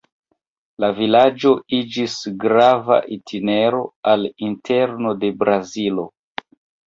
La vilaĝo iĝis grava itinero al interno de Brazilo.